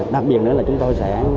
đặc biệt nữa là chúng tôi sẽ